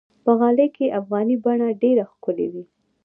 په غالۍ کې افغاني بڼه ډېره ښکلي وي.